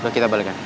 udah kita balikkan